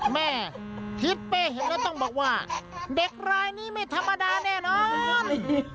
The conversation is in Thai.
แม่ทิศเป้เห็นแล้วต้องบอกว่าเด็กรายนี้ไม่ธรรมดาแน่นอน